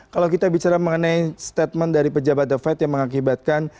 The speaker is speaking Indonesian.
kalau kita bicara mengenai statement dari pejabat the fed yang mengakibatkan